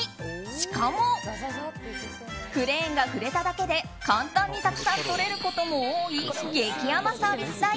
しかもクレーンが触れただけで簡単にたくさん取れることも多い激甘サービス台。